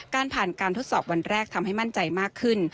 การผ่านการทดสอบวันแรกทำให้มั่นใจมากขึ้น